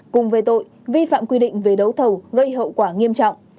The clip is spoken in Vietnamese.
cùng về tội vi phạm quy định về đấu thầu gây hậu quả nghiêm trọng